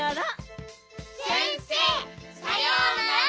先生さようなら。